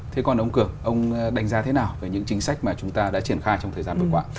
thế còn ông cường ông đánh giá thế nào về những chính sách mà chúng ta đã triển khai trong thời gian vừa qua